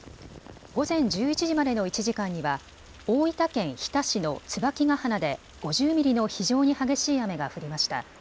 午前１１時までの１時間には大分県日田市の椿ヶ鼻で５０ミリの非常に激しい雨が降りました。